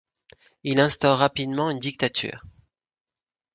Il instaure rapidement une dictature.